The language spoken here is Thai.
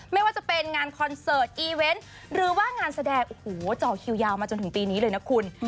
ไม่ว่าจะเป็นงานคอนเสิร์ตอีเวนต์หรือว่างานแสดงโอ้โหจ่อคิวยาวมาจนถึงปีนี้เลยนะคุณ